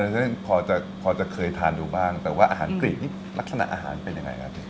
ฉะนั้นพอจะเคยทานดูบ้างแต่ว่าอาหารกรีดนี่ลักษณะอาหารเป็นยังไงครับ